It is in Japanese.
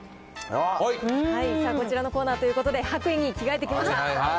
こちらのコーナーということで、白衣に着替えてきました。